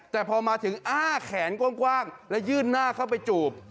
แต่พอมาถึงอ้าแขนกว้างและยื่นหน้าเข้าไปจูบ